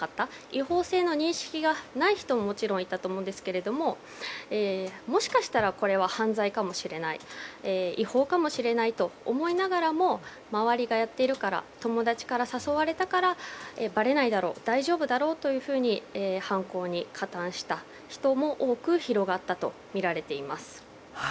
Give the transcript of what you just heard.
違法性の認識がない人もいたと思うんですけどももしかしたら犯罪かもしれない違法かもしれないと思いながらも周りがやっているから友達から誘われたからばれないだろう、大丈夫だろうと犯行に加担した人も多く広がったとみられています。